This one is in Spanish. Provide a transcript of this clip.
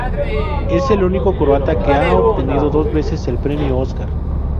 Es el único croata que ha obtenido dos veces el premio Óscar.